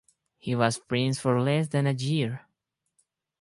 He was prince for less than a year.